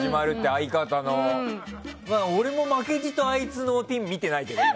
だから、俺も負けじとあいつのピン見てないけどね。